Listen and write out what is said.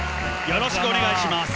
よろしくお願いします。